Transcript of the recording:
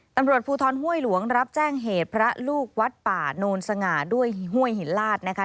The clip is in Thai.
ตำรวจภูทรห้วยหลวงรับแจ้งเหตุพระลูกวัดป่าโนนสง่าด้วยห้วยหินลาดนะคะ